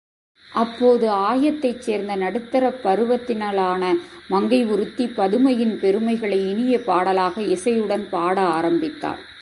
அப்போது ஆயத்தைச் சேர்ந்த நடுத்தரப் பருவத்தினளான மங்கை ஒருத்தி, பதுமையின் பெருமைகளை இனிய பாடலாக இசையுடன் பாட ஆரம்பித்தாள்.